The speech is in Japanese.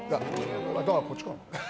だからこっちかな。